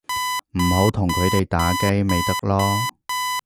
唔好同佢哋打機咪得囉